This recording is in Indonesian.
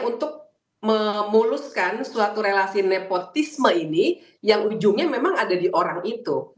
untuk memuluskan suatu relasi nepotisme ini yang ujungnya memang ada di orang itu